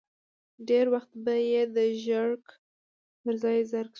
ډېری وخت به یې د ژړک پر ځای زرک شو.